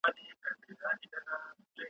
په تلاښ و په کوښښ یې سرګردانه.